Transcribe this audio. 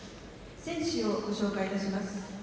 選手をご紹介いたします。